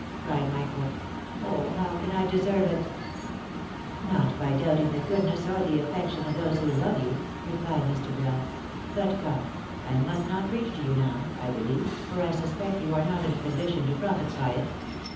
cried Michael. " Oh ! how can I deserve it ?"" Not by doubting the goodness or the affection of those who love you," replied Mr. Bell. " But come, I must not preach to you now, I believe, for I suspect that you are not in a condition to profit by it.